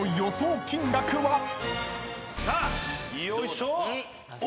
さあよいしょ！